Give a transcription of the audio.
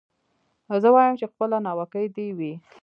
زه وايم چي خپله ناوکۍ دي وي